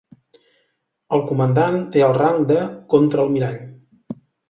El comandant té el rang de contraalmirall.